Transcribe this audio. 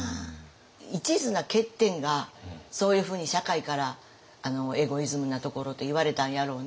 いちずな欠点がそういうふうに社会からエゴイズムなところといわれたんやろうな。